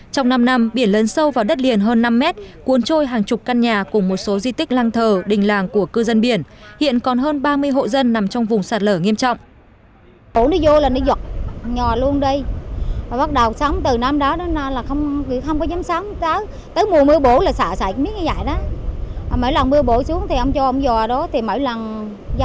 trong năm năm biển lớn sâu vào đất liền hơn năm m cuốn trôi hàng chục căn nhà cùng một số di tích lang thờ đình làng của cư dân biển hiện còn hơn ba mươi hộ dân nằm trong vùng sạt lờ nghiêm trọng